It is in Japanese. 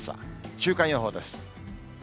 週間予報です。